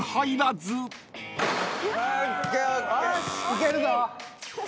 いけるぞ！